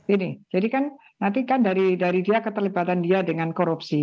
ini jadi kan nanti kan dari dia keterlibatan dia dengan korupsi